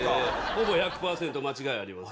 ほぼ１００％間違いありません。